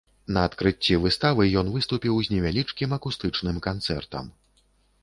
На адкрыцці выставы ён выступіў з невялічкім акустычным канцэртам.